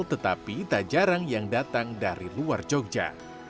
tetapi tak jarang yang datang dari luar jogja